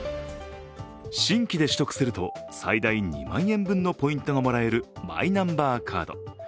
新規で取得すると最大２万円分のポイントがもらえるマイナンバーカード。